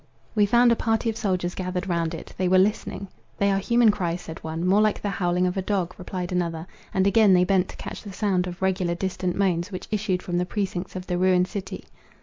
We found a party of soldiers gathered round it. They were listening. "They are human cries," said one: "More like the howling of a dog," replied another; and again they bent to catch the sound of regular distant moans, which issued from the precincts of the ruined city.